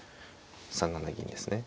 ３七銀ですね。